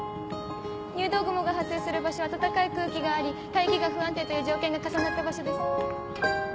入道雲が発生する場所は暖かい空気があり大気が不安定という条件が重なった場所です。